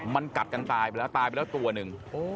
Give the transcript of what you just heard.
มันกัดกันตายไปแล้วตายไปแล้วตัวหนึ่ง